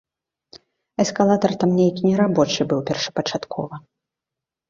Эскалатар там нейкі нерабочы быў першапачаткова.